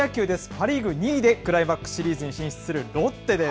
パ・リーグ２位でクライマックスシリーズに進出するロッテです。